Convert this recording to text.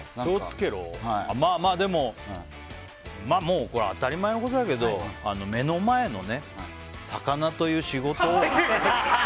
でもこれは当たり前のことだけど目の前の魚という仕事を。